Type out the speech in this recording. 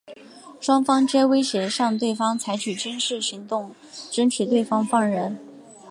双方皆威胁向对方采取军事行动争取对方放人。